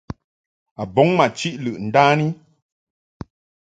A bɔŋ ma chiʼ lɨʼ ndani.